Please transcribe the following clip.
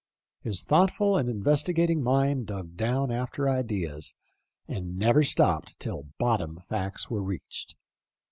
His thoughtful and investigating mind dug down after ideas, and never stopped till bottom facts were reached.